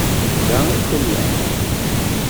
Da i tellamt?